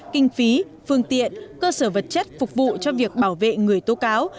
kinh phí phương tiện cơ sở vật chất phục vụ cho việc bảo vệ người tố cáo